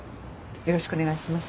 よろしくお願いします。